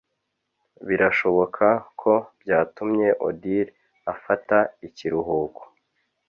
- birashoboka ko byatumye odile afata ikiruhuko